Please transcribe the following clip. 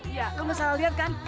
iya lo mesti liat kan